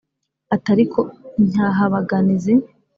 ati " ariko incyahabaganizi